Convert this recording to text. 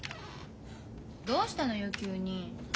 どうしたのよ急に。